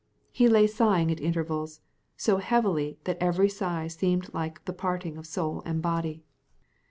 He lay sighing at intervals, so heavily that every sigh seemed like the parting of soul and body.